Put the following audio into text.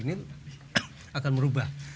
ini akan merubah